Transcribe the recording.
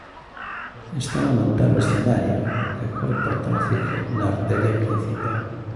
Están a montar o escenario, que corta o tráfico na arteria principal.